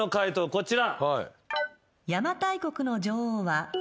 こちら。